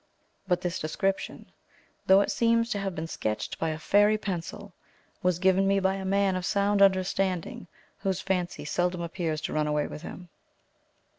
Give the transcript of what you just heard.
But this description, though it seems to have been sketched by a fairy pencil, was given me by a man of sound understanding, whose fancy seldom appears to run away with him.